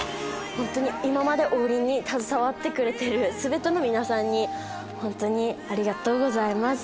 今まで王林に携わってくれてる全ての皆さんに本当にありがとうございます。